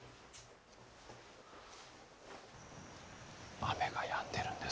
雨がやんでるんです。